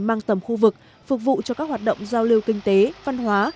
mang tầm khu vực phục vụ cho các hoạt động giao lưu kinh tế văn hóa